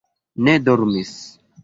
ne dormis.